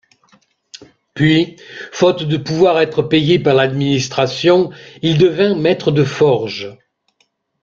Puis, faute de pouvoir être payé par l'administration, il devint maître de forges.